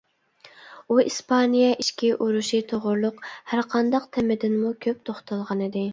ئۇ ئىسپانىيە ئىچكى ئۇرۇشى توغرۇلۇق ھەرقانداق تېمىدىنمۇ كۆپ توختالغانىدى.